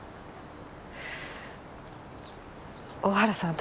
大原さん